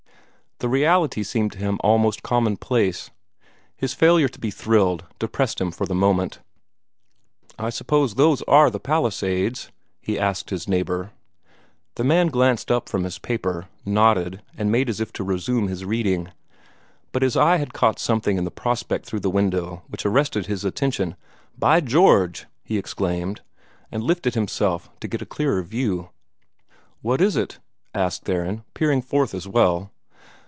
The reality seemed to him almost commonplace. His failure to be thrilled depressed him for the moment. "I suppose those ARE the Palisades?" he asked his neighbor. The man glanced up from his paper, nodded, and made as if to resume his reading. But his eye had caught something in the prospect through the window which arrested his attention. "By George!" he exclaimed, and lifted himself to get a clearer view. "What is it?" asked Theron, peering forth as well.